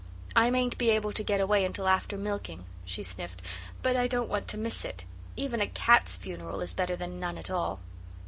"I mayn't be able to get away till after milking," she sniffed, "but I don't want to miss it. Even a cat's funeral is better than none at all."